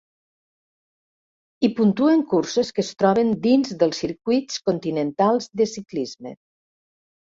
Hi puntuen curses que es troben dins dels circuits continentals de ciclisme.